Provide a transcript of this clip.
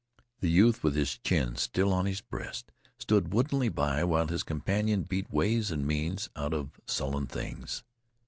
The youth, with his chin still on his breast, stood woodenly by while his companion beat ways and means out of sullen things.